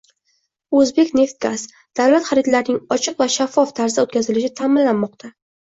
O‘zbekneftgaz: Davlat xaridlarining ochiq va shaffof tarzda o‘tkazilishi ta’minlanmoqda